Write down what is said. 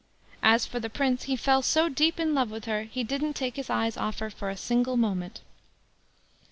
As for the Prince, he fell so deep in love with her, he didn't take his eyes off her for a single moment.